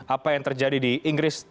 apa yang terjadi di inggris